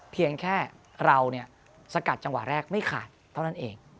เพียงแค่เราสกัดจังหวะแรกไม่ขาดเท่านั้นเอง